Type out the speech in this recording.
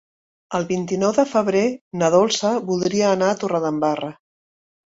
El vint-i-nou de febrer na Dolça voldria anar a Torredembarra.